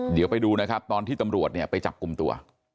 เดี๋ยวไปดูนะครับตอนที่ตำรวจเนี่ยไปจับกลุ่มตัว